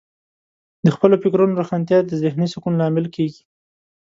د خپلو فکرونو روښانتیا د ذهنې سکون لامل کیږي.